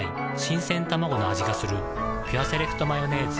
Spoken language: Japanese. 「ピュアセレクトマヨネーズ」